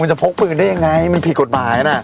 มันจะพลึกปืนได้ยังไงมันผิดกฎภายนะ